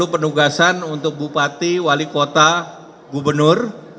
seribu empat puluh penugasan untuk bupati wali kota gubernur